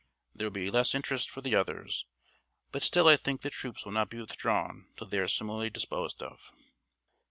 There will be less interest for the others, but still I think the troops will not be withdrawn till they are similarly disposed of.